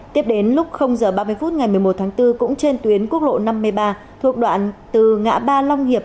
tiếp đến lúc h ba mươi phút ngày một mươi một tháng bốn cũng trên tuyến quốc lộ năm mươi ba thuộc đoạn từ ngã ba long hiệp